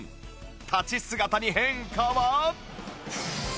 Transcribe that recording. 立ち姿に変化は？